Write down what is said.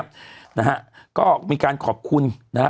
นะฮะก็มีการขอบคุณนะฮะ